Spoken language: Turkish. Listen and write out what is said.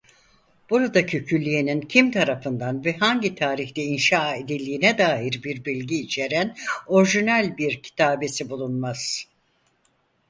Buradaki külliyenin kim tarafından ve hangi tarihte inşa edildiğine dair bir bilgi içeren orijinal bir kitabesi bulunmaz.